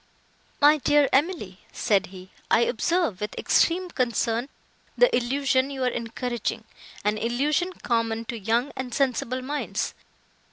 "My dear Emily," said he, "I observe with extreme concern, the illusion you are encouraging—an illusion common to young and sensible minds.